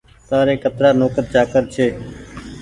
تآريِ اَترآ نوڪر چآڪر ڇي ڪآئي